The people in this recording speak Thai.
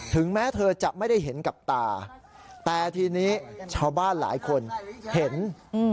แม้เธอจะไม่ได้เห็นกับตาแต่ทีนี้ชาวบ้านหลายคนเห็นอืม